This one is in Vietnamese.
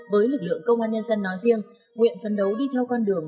với lực lượng công an nhân dân nói riêng nguyện phấn đấu đi theo con đường